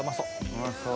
うまそう。